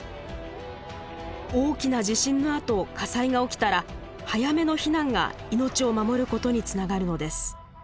大きな地震のあと火災が起きたら早めの避難が命を守ることにつながるのです。